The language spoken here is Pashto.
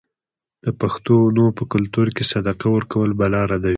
د پښتنو په کلتور کې صدقه ورکول بلا ردوي.